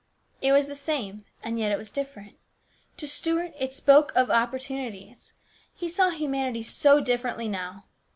It was the same, and yet it was different. To Stuart it spoke of opportunities. He saw humanity so differently now.